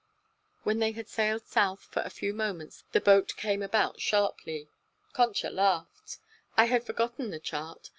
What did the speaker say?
When they had sailed south for a few moments the boat came about sharply. Concha laughed. "I had forgotten the chart.